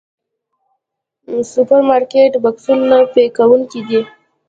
سوپرمارکېټ بکسونو پيک کوونکي دي.